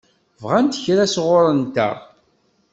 Bɣant kra sɣur-nteɣ?